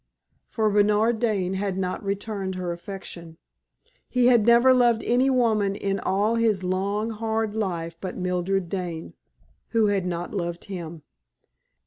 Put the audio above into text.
For Bernard Dane had not returned her affection; he had never loved any woman in all his long, hard life but Mildred Dane, who had not loved him.